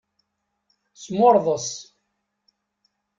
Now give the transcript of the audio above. Smurḍes.